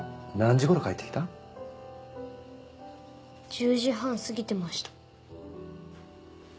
１０時半過ぎてました。